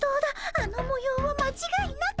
あのもようはまちがいなく。